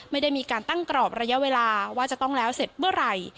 ไม่ได้มีการตั้งกรอบระยะเวลาว่าจะต้องแล้วเสร็จเมื่อไหร่